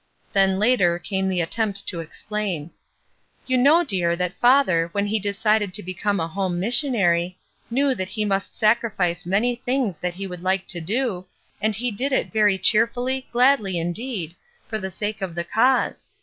Then, later, came the attempt to explain. "You know, dear, that father, when he decided to become a home missionary, knew that he must sacrifice many things that he would like to do, and he did it very cheerfully, gladly, indeed, for the sake of the cause.